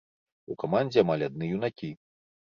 У камандзе амаль адны юнакі.